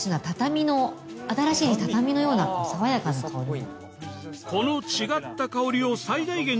新しい畳のような爽やかな香り。